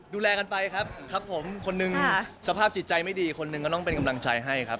ดูแลกันไปครับครับผมคนหนึ่งสภาพจิตใจไม่ดีคนหนึ่งก็ต้องเป็นกำลังใจให้ครับ